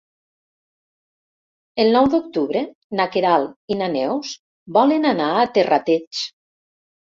El nou d'octubre na Queralt i na Neus volen anar a Terrateig.